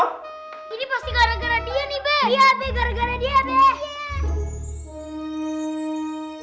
ini pasti gara gara dia nih be